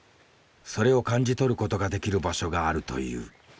それを感じ取ることができる場所があるという。